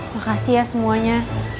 makasih ya semuanya